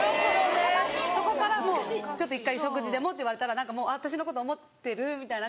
そこから「ちょっと一回食事でも」って言われたら何かもう「私のこと思ってる」みたいな。